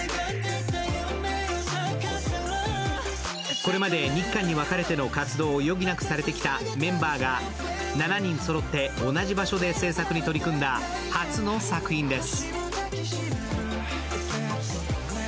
これまで日韓に分かれての活動を余儀なくされてきたメンバーが７人そろって同じ場所で制作に取り組んだ初の作品です。